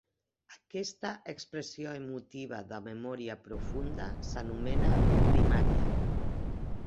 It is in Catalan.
Aquesta expressió emotiva de memòria profunda s'anomena "primària".